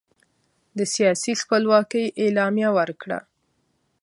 د سیاسي خپلواکۍ اعلامیه ورکړه.